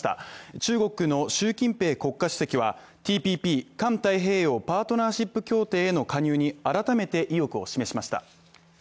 中国の習近平国家主席はＴＰＰ＝環太平洋パートナーシップ協定への加入に改めて意欲を示しました。